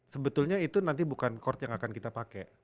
sebetulnya itu nanti bukan court yang akan kita pakai